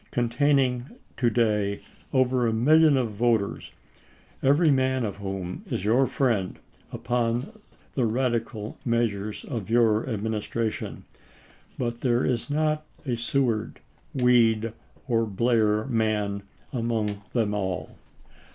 containing to day over one million of voters, every man of whom is your friend upon the Radical meas ures of your Administration; but there is not a Sew ard, Weed, or Blair man among them all.